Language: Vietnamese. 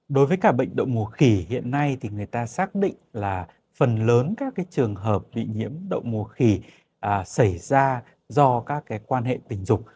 đối với cả bệnh động mùa khỉ hiện nay thì người ta xác định là phần lớn các trường hợp bị nhiễm đậu mùa khỉ xảy ra do các quan hệ tình dục